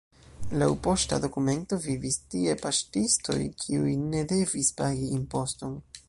Laŭ posta dokumento vivis tie paŝtistoj, kiuj ne devis pagi imposton.